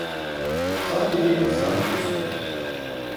Sadece bir saniye sürer.